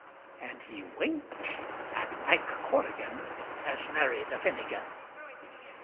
An' he winked at McGorrigan, As married a Finnigin.